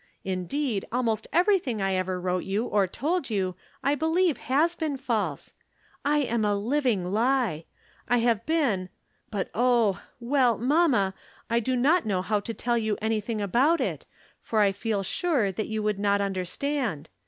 Indeed, almost everything I ever wrote you or told you I believe has been false. I am a living lie ! I have been, but oh — ^well, mamma, I do not know how to tell you anything about it, for I feel sure that you would not un derstand.